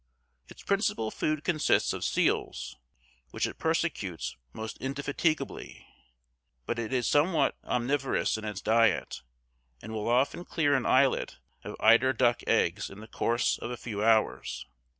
Its principal food consists of seals, which it persecutes most indefatigably; but it is somewhat omniverous in its diet, and will often clear an islet of eider duck eggs in the course of a few hours.